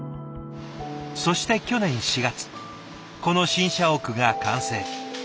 そして去年４月この新社屋が完成。